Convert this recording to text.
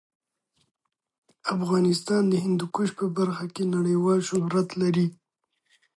افغانستان د هندوکش په برخه کې نړیوال شهرت لري.